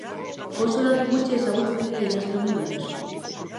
Oso datu gutxi ezagutzen dira idazle honi buruz.